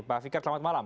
pak fikar selamat malam